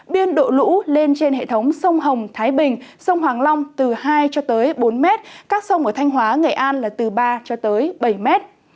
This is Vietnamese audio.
biên độ lũ lên trên hệ thống sông hồng thái bình sông hoàng long từ hai cho tới bốn m các sông ở thanh hóa nghệ an là từ ba cho tới bảy m